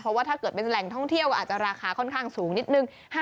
เพราะว่าถ้าเกิดเป็นแหล่งท่องเที่ยวก็อาจจะราคาค่อนข้างสูงนิดนึง